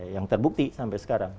yang terbukti sampai sekarang